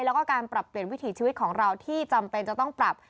แล้วก็การปรับเปลี่ยนวิถีชีวิตของเราที่จำเป็นจะต้องปรับ